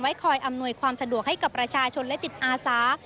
คอยอำนวยความสะดวกให้กับประชาชนและจิตอาสา